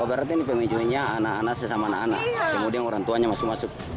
oh berarti ini pemenjuhnya anak anak sesama anak anak kemudian orang tuanya masuk masuk